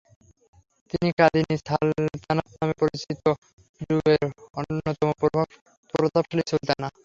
তিনি কাদিনী সালতানাত নামে পরিচিত যুগের অন্যতম প্রতাপশালী সুলতানা।